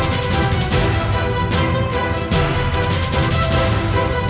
mereka memiliki kekuatan angg valores